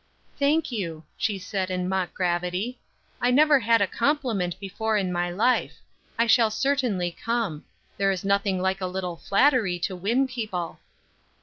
"Thank you," she said, in mock gravity. "I never had a compliment before in my life; I shall certainly come; there is nothing like a little flattery to win people."